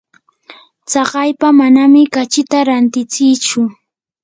tsakaypa manami kachita rantintsichu.